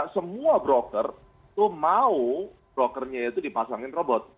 karena semua broker itu mau brokernya itu dipasangin robot